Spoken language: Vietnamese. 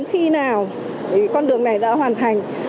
đến khi nào con đường này đã hoàn thành